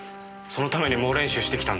そのために猛練習してきたんだ。